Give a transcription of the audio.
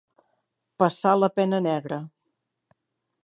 Passar la pena negra.